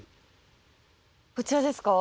こちらですか？